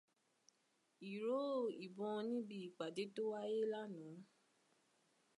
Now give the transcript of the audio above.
Ìró ìbọn níbi ìpàdé tó wáyé lánàá.